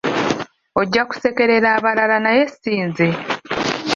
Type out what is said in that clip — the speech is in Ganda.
Ojja kusekerera abalala naye si nze.